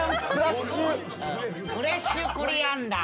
フレッシュコリアンダー。